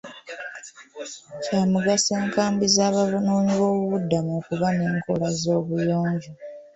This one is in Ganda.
Kya mugaso enkambi z'abanoonyiboobubudamu okuba n'enkola z'obuyonjo.